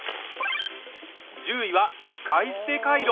１０位は使い捨てカイロ。